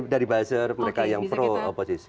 dari buzzer mereka yang pro oposisi